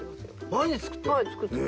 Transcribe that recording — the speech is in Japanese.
毎日作ってる。